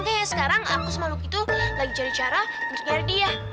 makanya sekarang aku sama luk itu lagi cari cara untuk cari dia